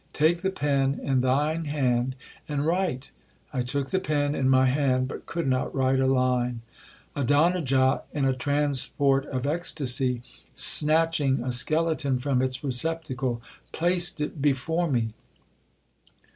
—take the pen in thine hand, and write.' I took the pen in my hand, but could not write a line. Adonijah, in a transport of ecstasy, snatching a skeleton from its receptacle, placed it before me.